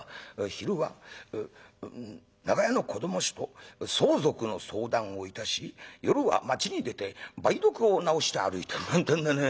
『昼は長屋の子ども衆と相続の相談をいたし夜は町に出て梅毒を治して歩いてる』なんてんでね。